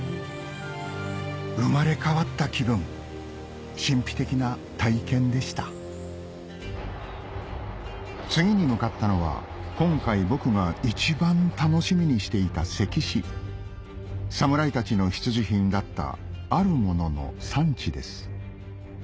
生まれ変わった気分神秘的な体験でした次に向かったのは今回僕が一番楽しみにしていた関市侍たちの必需品だったあるものの産地です